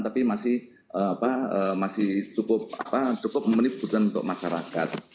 tapi masih cukup menipukan untuk masyarakat